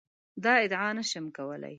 دا ادعا نه شم کولای.